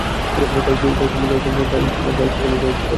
তাই, তোমার যা ইচ্ছে কেনো যা ইচ্ছে পরো।